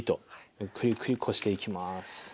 ゆっくりゆっくりこしていきます。